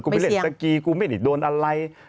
ไม่เสี่ยงกูไม่ได้โดนอะไร